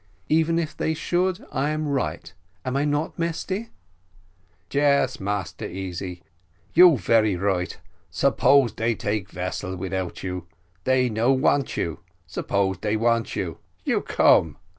"Even if they should, I am right, am I not, Mesty?" "Yes, Massa Easy, you are right suppose they take vessel without you, they no want you suppose they want you, you come."